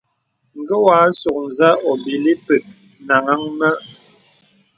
Ngé wà àsôk nzə óbīlí pə́k nàŋha mə.